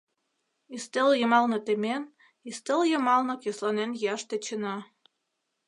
Ӱстел йымалне темен, ӱстел йымалнак йӧсланен йӱаш тӧчена.